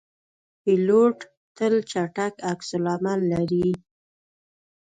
پیلوټ تل چټک عکس العمل لري.